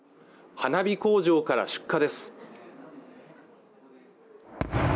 花火工場から出火です